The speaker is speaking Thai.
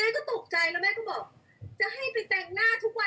บอกเมื่อกี้คนที่ตลาดนะ